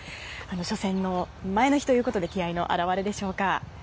初戦の前の日ということで気合の表れでしょうか。